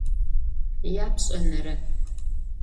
Yapş'enere.